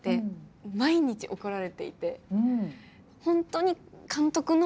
毎日怒られていて。